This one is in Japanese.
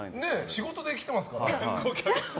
仕事で来てますから。